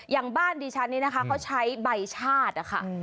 อย่างบ้านดิฉันนี้นะคะเขาใช้ใบชาตินะคะ